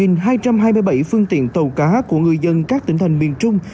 hơn một hai trăm hai mươi bảy phương tiện tàu cá của người dân các tỉnh thành miền trung